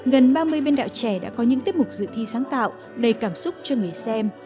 gần ba mươi biên đạo trẻ đã có những tiết mục dự thi sáng tạo đầy cảm xúc cho người xem